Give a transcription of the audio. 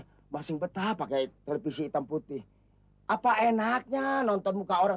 masing masing betah pakai televisi hitam putih apa enaknya nonton muka orang